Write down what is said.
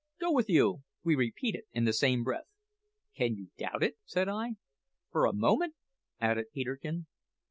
"Go with you!" we repeated in the same breath. "Can you doubt it?" said I. "For a moment?" added Peterkin.